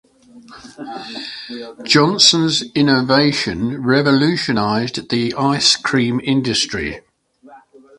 Johnson’s innovation revolutionized the ice cream industry.